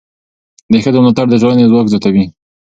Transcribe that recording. د ښځو ملاتړ د ټولنې ځواک زیاتوي.